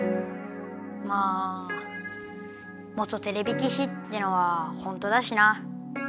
まあ元てれび騎士ってのはほんとだしな。